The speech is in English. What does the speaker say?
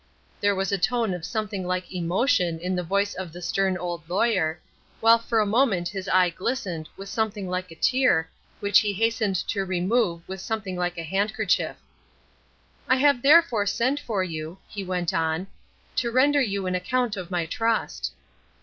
There was a tone of something like emotion in the voice of the stern old lawyer, while for a moment his eye glistened with something like a tear which he hastened to remove with something like a handkerchief. "I have therefore sent for you," he went on, "to render you an account of my trust."